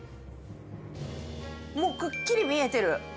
もうくっきり見えてる。